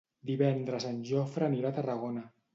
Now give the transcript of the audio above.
Divendres en Jofre anirà a Tarragona.